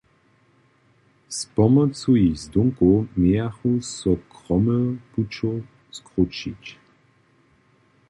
Z pomocu jich zdónkow mějachu so kromy pućow skrućić.